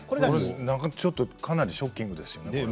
なんかちょっとかなりショッキングですよね。